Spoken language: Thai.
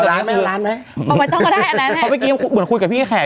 ล้านหนึ่งล้านไหมเอามาต้องก็ได้อันนั้นเพราะเมื่อกี้เหมือนคุยกับพี่แขก